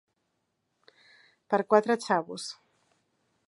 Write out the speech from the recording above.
Per quatre xavos.